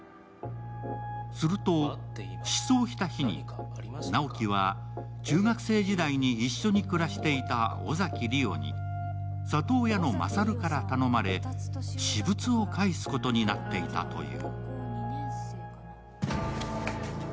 すると、失踪した日に直木は中学生時代に一緒に暮らしていた尾崎莉桜に里親の勝から頼まれ、私物を返すことになっていたという。